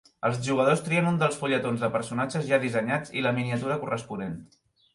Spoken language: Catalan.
Els jugadors trien un dels fulletons de personatges ja dissenyats i la miniatura corresponent.